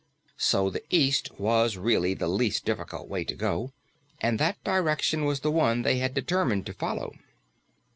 So the east was really the least difficult way to go, and that direction was the one they had determined to follow.